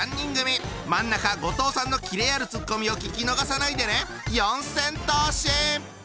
真ん中後藤さんのキレあるツッコミを聞き逃さないでね！